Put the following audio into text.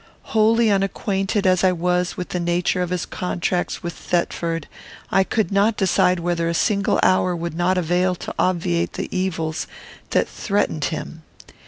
Wholly unacquainted as I was with the nature of his contracts with Thetford, I could not decide whether a single hour would not avail to obviate the evils that threatened him.